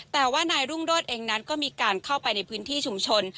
แต่ว่านายรุ่งโรธเองนั้นก็มีการเข้าไปในพื้นที่ชุมชน